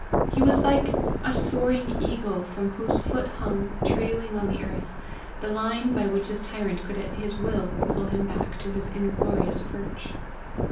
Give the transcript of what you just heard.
He was like a soaring eagle from whose foot hung, trailing on the earth, the line by which his tyrant could at his will pull him back to his inglorious perch.